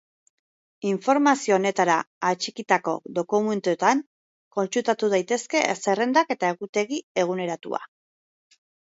Informazio honetara atxikitako dokumentuetan kontsultatu daitezke zerrendak eta egutegi eguneratua.